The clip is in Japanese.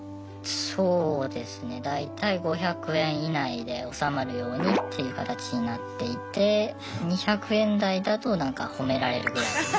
そうですね大体５００円以内で収まるようにっていう形になっていて２００円台だとなんか褒められるぐらい。